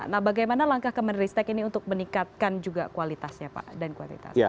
nah bagaimana langkah kemenristek ini untuk meningkatkan juga kualitasnya pak dan kualitasnya